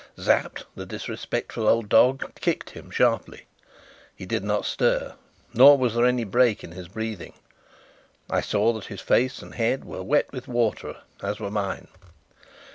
Sapt, the disrespectful old dog, kicked him sharply. He did not stir, nor was there any break in his breathing. I saw that his face and head were wet with water, as were mine.